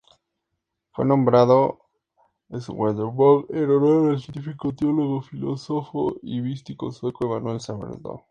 Fue nombrado Swedenborg en honor al científico, teólogo, filósofo y místico sueco Emanuel Swedenborg.